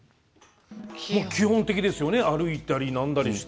基本的ですよね歩いたりして。